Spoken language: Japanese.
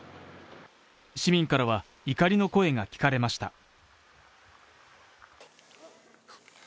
市民からは怒りの声が聞かれました。